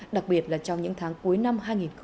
đặc biệt là trong những tháng cuối năm hai nghìn hai mươi